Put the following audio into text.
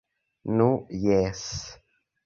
Nu, Jes.